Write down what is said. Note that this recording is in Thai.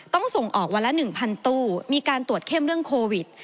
ต้องส่งออกวันละ๑๐๐ตู้มีการตรวจเข้มเรื่องโควิด